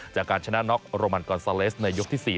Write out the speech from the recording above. จากการชนะน็อกโรมันกอนซาเลสในยกที่๔